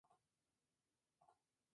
Más tarde sus padres se divorciaron.